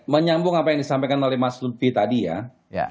menyambung apa yang disampaikan oleh mas lutfi tadi ya